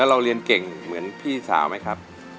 เราเรียนเก่งเหมือนพี่สาวไหมครับ